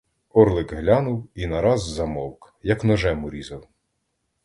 Орлик глянув і нараз замовк, як ножем урізав.